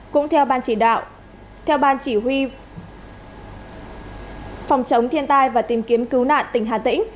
cũng theo ban chỉ huy phòng chống thiên tai và tìm kiếm cứu nạn tỉnh hà tĩnh